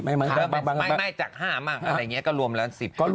ไม่จาก๕มากอะไรอย่างนี้ก็รวมแล้ว๑๐